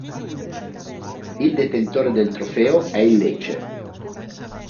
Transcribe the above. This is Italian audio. Il detentore del trofeo è il Lecce.